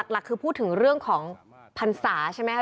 หลักคือพูดถึงเรื่องของพรรษาใช่ไหมคะ